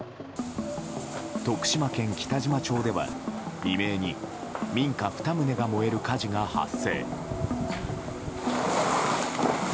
徳島県北島町では、未明に民家２棟が燃える火事が発生。